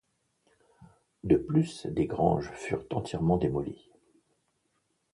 De plus, des granges furent entièrement démolies.